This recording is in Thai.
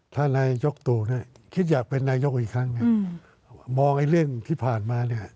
ถ้านายยกตู่เนี่ยคิดอยากเป็นนายกอีกครั้งเนี่ยมองไอ้เรื่องที่ผ่านมาเนี่ย